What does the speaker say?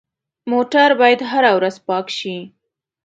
موټر باید هره ورځ پاک شي.